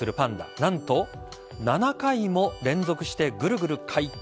何と、７回も連続してぐるぐる回転。